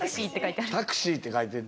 「タクシー」って書いてある。